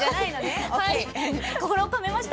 心を込めました。